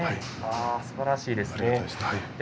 すばらしいですね。